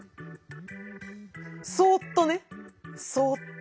そっとねそっと。